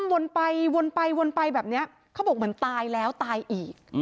วนไปวนไปวนไปแบบนี้เขาบอกเหมือนตายแล้วตายอีก